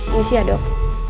masih ya dok